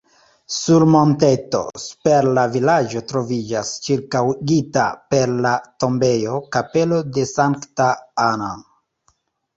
Sur monteto super la vilaĝo troviĝas, ĉirkaŭigita per la tombejo, kapelo de Sankta Anna.